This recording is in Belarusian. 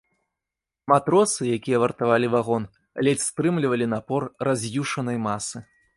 Матросы, якія вартавалі вагон, ледзь стрымлівалі напор раз'юшанай масы.